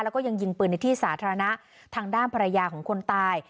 แล้วก็ยังยิงปืนในที่สาธารณะทางด้านภรรยาของคนตาย